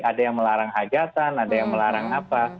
ada yang melarang hajatan ada yang melarang apa